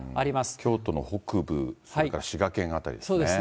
京都の北部、それから滋賀県辺りですね。